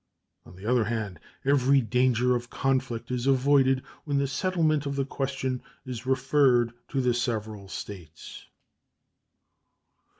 On the other hand, every danger of conflict is avoided when the settlement of the question is referred to the several States.